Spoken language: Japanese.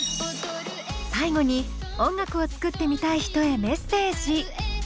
最後に音楽を作ってみたい人へメッセージ。